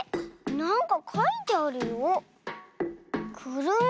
なんかかいてあるよ。